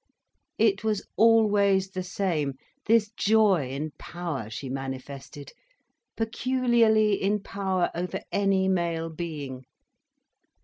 It was always the same, this joy in power she manifested, peculiarly in power over any male being.